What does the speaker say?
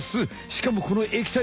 しかもこの液体。